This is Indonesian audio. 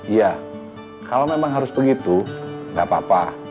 iya kalau memang harus begitu nggak apa apa